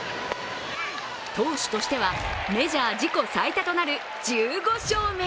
投手としてはメジャー自己最多となる１５勝目。